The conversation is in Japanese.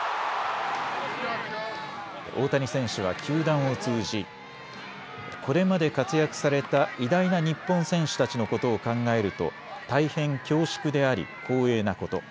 大谷選手は球団を通じこれまで活躍された偉大な日本選手たちのことを考えると大変恐縮であり光栄なこと。